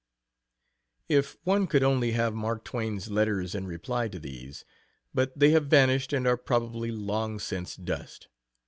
If one could only have Mark Twain's letters in reply to these! but they have vanished and are probably long since dust.